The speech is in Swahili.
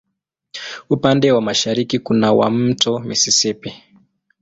Upande wa mashariki kuna wa Mto Mississippi.